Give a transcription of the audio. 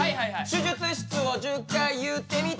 手術室を１０回言ってみて。